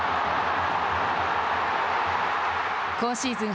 今シーズン